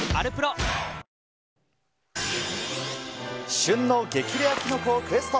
旬の激レアキノコをクエスト。